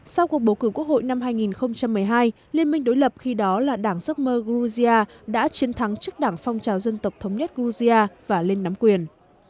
sau cuộc bầu cử quốc hội năm hai nghìn một mươi hai liên minh đối lập khi đó là đảng giấc mơ georgia đã chiến thắng trước đảng phong trào dân tộc thống nhất georgia và lên nắm quyền